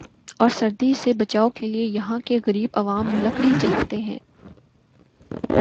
اور سردی سے بچائو کے لئے یہاں کے غریب عوام لکڑی جلاتے ہیں ۔